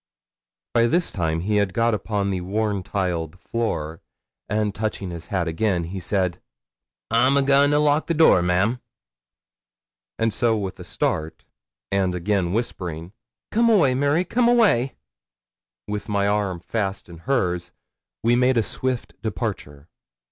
By this time he had got upon the worn tiled floor, and touching his hat again, he said 'I'm a goin' to lock the door, ma'am!' So with a start, and again whispering 'Come, Mary come away' With my arm fast in hers, we made a swift departure.